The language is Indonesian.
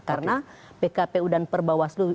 karena pkpu dan perbawaslu